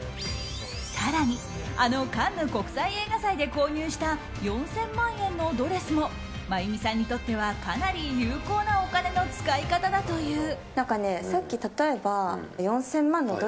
更にあのカンヌ国際映画祭で購入した４０００万円のドレスも真弓さんにとってはかなり有効なお金の使い方だという。